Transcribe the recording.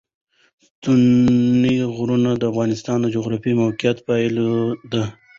ستوني غرونه د افغانستان د جغرافیایي موقیعت پایله ده.